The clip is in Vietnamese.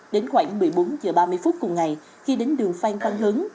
đến khoảng một mươi bốn giờ ba mươi phút cùng ngày khi đến đường phanh văn hướng